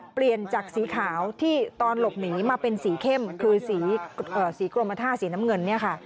เปลี่ยนจากสีขาวที่ตอนหลบหนีมาเป็นสีเข้มคือสีกรมท่าสีน้ำเงินเนี่ยค่ะ